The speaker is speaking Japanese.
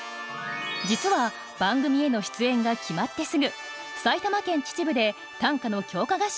実は番組への出演が決まってすぐ埼玉県秩父で短歌の強化